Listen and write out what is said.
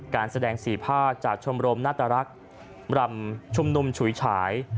การแสดงสีผ้าจากชมรมนาธรรคร่ำชุมหนุ่มฉุยฉาย